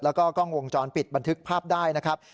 แล้วก็กล้องวงจรปิดบันทึกภาพได้นะครับ